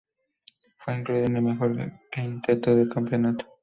Fue incluido en el mejor quinteto del campeonato.